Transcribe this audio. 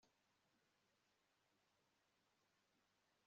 uhoraho yamagana ibiterashozi byose